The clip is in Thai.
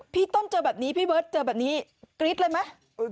พี่ต้นเจอแบบนี้พี่เบิ๊ดเจอแบบนี้กริดเลยมั้ย